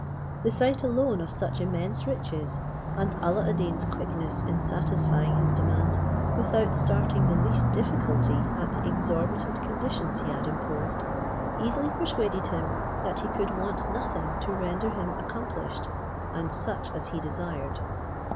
The sight alone of such immense riches, and Alla ad Deen's quickness in satisfying his demand, without starting the least difficulty at the exorbitant conditions he had imposed, easily persuaded him, that he could want nothing to render him accomplished, and such as he desired.